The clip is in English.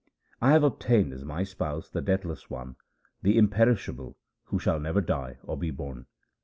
I have obtained as my spouse the Deathless One, the Imperishable, who shall never die or be born.